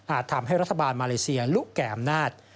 ทำให้รัฐบาลมาเลเซียลุแก่อำนาจ